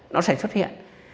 nó sẽ xuất hiện